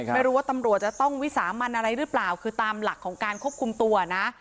ไม่รู้ว่าตำรวจจะต้องวิสามันอะไรหรือเปล่าคือตามหลักของการควบคุมตัวนะ